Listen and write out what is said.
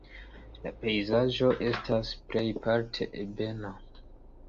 La pejzaĝo estas plejparte ebena.